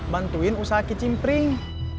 bantuin usaha kicim pring